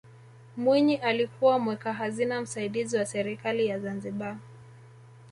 mwinyi alikuwa mweka hazina msaidizi wa serikali ya zanzibar